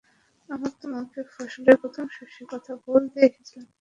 আমরা তোমাকে ফসলের প্রথম শস্যের কথা বলতে এসেছিলাম।